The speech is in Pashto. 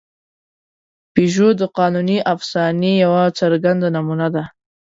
پيژو د قانوني افسانې یوه څرګنده نمونه ده.